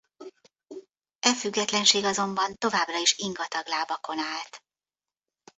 E függetlenség azonban továbbra is ingatag lábakon állt.